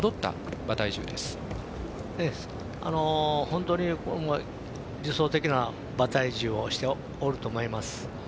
本当に理想的な馬体重をしておると思います。